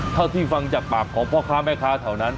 เท่าที่ฟังจากปากของพ่อค้าแม่ค้าแถวนั้น